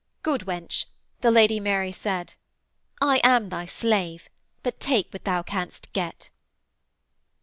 'Good wench,' the Lady Mary said. 'I am thy slave: but take what thou canst get.'